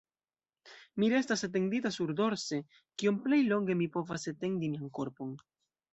Mi restas etendita surdorse, kiom plej longe mi povas etendi mian korpon.